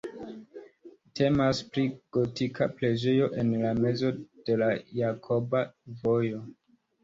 Temas pri gotika preĝejo en la mezo de la Jakoba Vojo.